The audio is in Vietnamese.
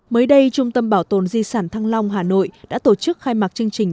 mới đây trung tâm bảo tồn di sản thăng long hà nội đã tổ chức khai mạc chương trình